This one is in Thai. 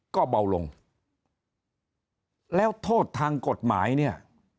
ก็เบาลงแล้วโทษทางกฎหมายเนี่ย